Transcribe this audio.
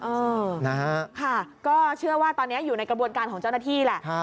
เออนะฮะค่ะก็เชื่อว่าตอนนี้อยู่ในกระบวนการของเจ้าหน้าที่แหละ